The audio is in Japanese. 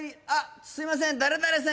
「すいません○○さん